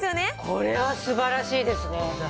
これはすばらしいですね。